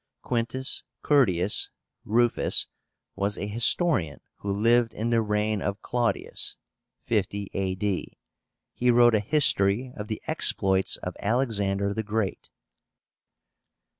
QUINTUS CURTIUS RUFUS was a historian who lived in the reign of Claudius (50 A.D.). He wrote a history of the exploits of Alexander the Great.